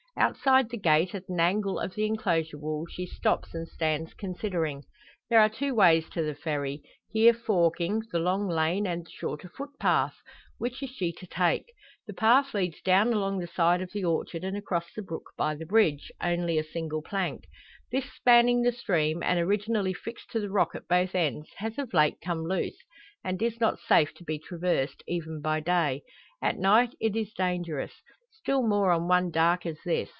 Outside the gate, at an angle of the enclosure wall, she stops, and stands considering. There are two ways to the Ferry, here forking the long lane and the shorter footpath. Which is she to take? The path leads down along the side of the orchard; and across the brook by the bridge only a single plank. This spanning the stream, and originally fixed to the rock at both ends, has of late come loose, and is not safe to be traversed, even by day. At night it is dangerous still more on one dark as this.